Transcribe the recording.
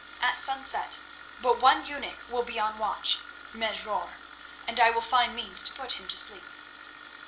At sunset but one eunuch will be on watch—Mesrour; and I will find means to put him to sleep.